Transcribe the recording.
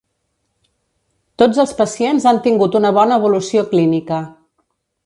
Tots els pacients han tingut una bona evolució clínica.